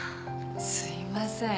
すいません。